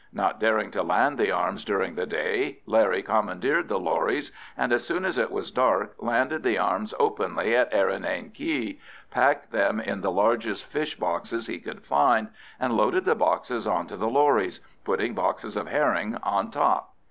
Not daring to land the arms during the day, Larry commandeered the lorries, and as soon as it was dark landed the arms openly at Errinane quay, packed them in the largest fish boxes he could find, and loaded the boxes on to the lorries, putting boxes of herrings on top.